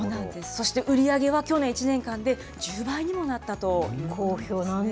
そして売り上げは去年１年間で１０倍にもなったと。